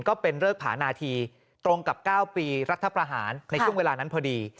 ก็เป็นเริกผานาทีตรงกับ๙ปีรัฐประหารในช่วงเวลานั้นพอดี